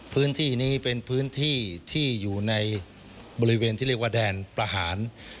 พื้นที่นี้เป็นพื้นที่ที่อยู่ในบริเวณที่เรียกว่าแดนประหาร